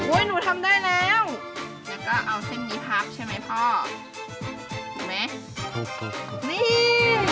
หนูทำได้แล้วแล้วก็เอาเส้นนี้พับใช่ไหมพ่อถูกไหมนี่